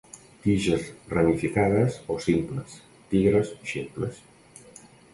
Tiges ramificades o simples, tigres ximples.